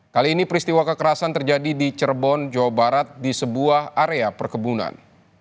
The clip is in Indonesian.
kali ini peristiwa kekerasan terjadi di cerbon jawa barat di sebuah area perkebunan